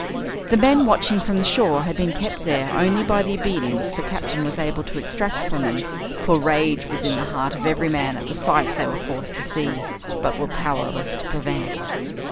The men watching from the shore had been kept there only by the obedience the Captain was able to extract from them, for rage was in the heart of every man at the sight they were forced to see, but were powerless to prevent.